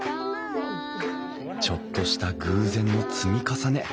ちょっとした偶然の積み重ね。